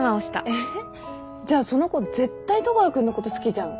えっじゃあその子絶対戸川君のこと好きじゃん。